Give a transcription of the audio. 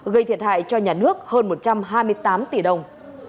gây thiệt hại cho nhà nước hơn một trăm hai mươi tám tỷ đồng